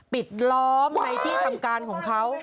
ปิดล้อมในที่ทำการของเขา